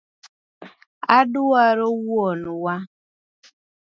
Adwaro wuon wa.